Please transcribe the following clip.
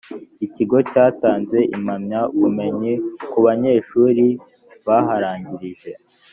ikigo cyatanze impamyabumenyi ku banyeshuri baharangije